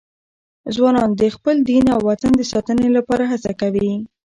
ځوانان د خپل دین او وطن د ساتنې لپاره هڅه کوي.